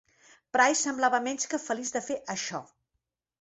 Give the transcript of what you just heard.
Price semblava menys que feliç de fer això.